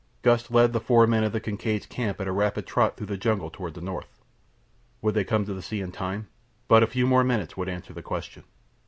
Gust led the four men of the Kincaid's camp at a rapid trot through the jungle toward the north. Would they come to the sea in time? But a few more minutes would answer the question.